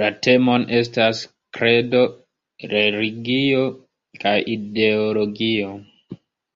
La temoj estas kredo, religio kaj ideologio.